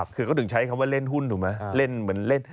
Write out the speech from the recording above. คือเขาถึงใช้คำว่าเล่นหุ้นถูกไหมเล่นเหมือนเล่น